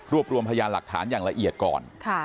รวมรวมพยานหลักฐานอย่างละเอียดก่อน